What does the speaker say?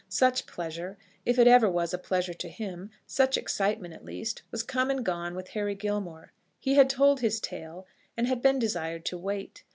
Such pleasure, if it ever was a pleasure to him, such excitement at least, was come and gone with Harry Gilmore. He had told his tale, and had been desired to wait.